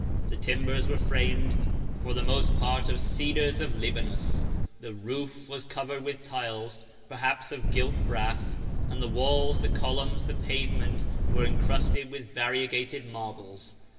The timbers were framed for the most part of cedars of Libanus; the roof was covered with tiles, perhaps of gilt brass; and the walls, the columns, the pavement, were encrusted with variegated marbles.